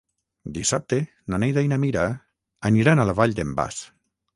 Dissabte na Neida i na Mira aniran a la Vall d'en Bas.